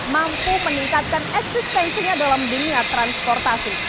mampu meningkatkan eksistensinya dalam dunia transportasi